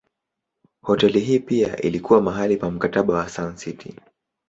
Hoteli hii pia ilikuwa mahali pa Mkataba wa Sun City.